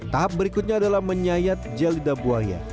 tahap berikutnya adalah menyayat gel lidah buaya